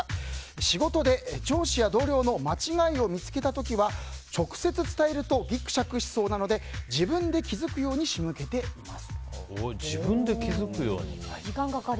仕事で上司や同僚の間違いを見つけた時は直接伝えるとぎくしゃくしそうなので自分で気づくように仕向けています。